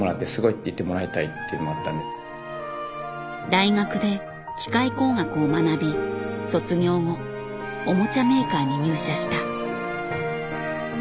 大学で機械工学を学び卒業後おもちゃメーカーに入社した。